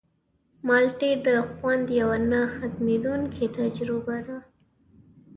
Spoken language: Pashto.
مالټې د خوند یوه نه ختمېدونکې تجربه ده.